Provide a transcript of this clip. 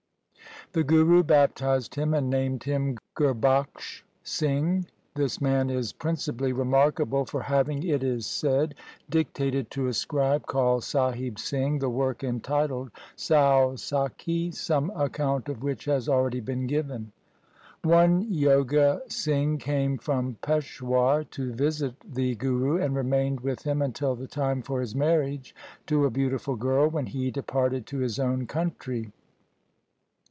The Guru baptized him and named him Gurbakhsh Singh. This man is principally remarkable for having, it is said, dictated 138 THE SIKH RELIGION to a scribe called Sahib Singh the work entitled Sau Sakhi, some account of which has already been given . One Joga Singh came from Peshawar to visit the Guru, and remained with him until the time for his marriage to a beautiful girl, when he departed to his own country.